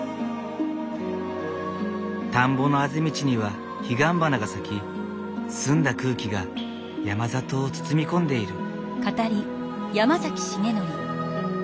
田んぼのあぜ道には彼岸花が咲き澄んだ空気が山里を包み込んでいる。